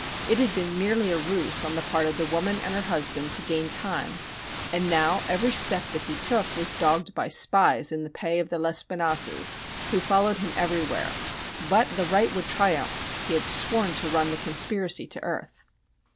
It had been merely a ruse on the part of the woman and her husband to gain time, and now every step that he took was dogged by spies in the pay of the Lespinasses, who followed him everywhere. But the right would triumph! He had sworn to run the conspiracy to earth!